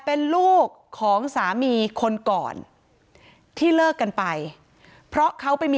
ทั้งครูก็มีค่าแรงรวมกันเดือนละประมาณ๗๐๐๐กว่าบาท